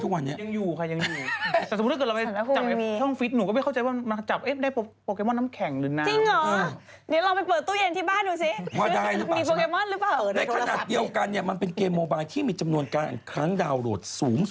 ถ้าทะเลเขาก็จะมีโปเกมอลตัวนายที่มันเป็นทะเลเอง